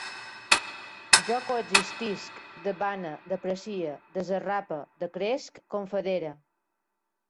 Jo coexistisc, debane, deprecie, desarrape, decresc, confedere